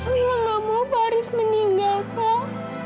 mila gak mau pak haris meninggal kak